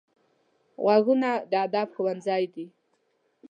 غوږونه د ادب ښوونځی دي